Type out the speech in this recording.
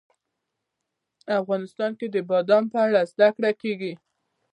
افغانستان کې د بادام په اړه زده کړه کېږي.